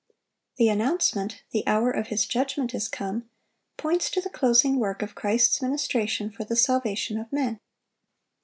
The announcement, "The hour of His judgment is come," points to the closing work of Christ's ministration for the salvation of men.